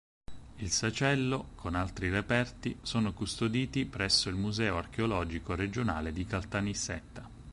Il sacello, con altri reperti, sono custoditi presso il Museo archeologico regionale di Caltanissetta.